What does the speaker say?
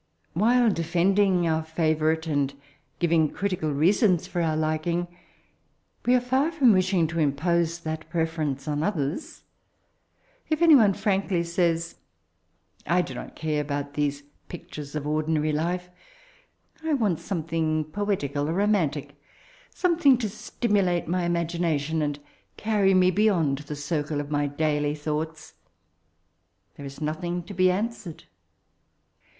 ^* While defending our fevonrite, and giving critical reasons for our Ukiog, we are far from wishing to impose that preference on others* If any one frankly says, *'I do not care about these pictures of ordinary life : I want something poetical or roman tic, something to stimolate my ima' gination, and to carry me beyond the oirde of my daily tbooghts," — there is nothing to be answered.